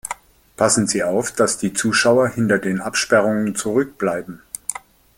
Passen Sie auf, dass die Zuschauer hinter den Absperrungen zurückbleiben.